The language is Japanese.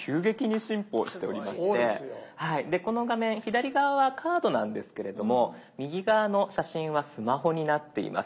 この画面左側はカードなんですけれども右側の写真はスマホになっています。